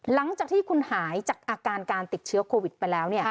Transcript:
หลังจากที่คุณหายจากอาการการติดเชื้อโควิดไปแล้ว